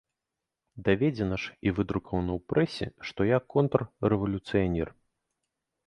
Даведзена ж і выдрукавана ў прэсе, што я контррэвалюцыянер.